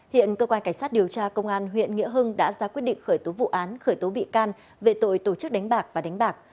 hiện cơ quan cảnh sát điều tra công an huyện nghĩa hưng đã ra quyết định khởi tố vụ án khởi tố bị can về tội tổ chức đánh bạc và đánh bạc